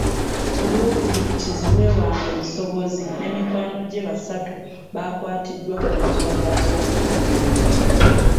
Ku Lwokubiri kizibwe wange Musobozi ne mikwano gye basatu baakwatiddwa ku nsonga z’okunoonyereza